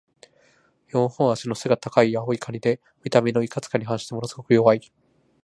四本脚の背が高い青いカニで、見た目のいかつさに反してものすごく弱い。